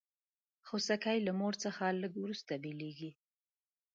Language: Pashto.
خوسکی له مور څخه لږ وروسته بېل کېږي.